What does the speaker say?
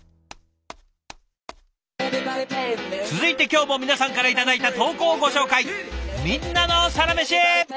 続いて今日も皆さんから頂いた投稿をご紹介。